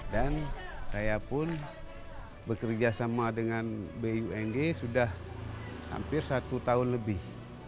dan saya pun bekerja sama dengan bumg sudah hampir satu tahun lebih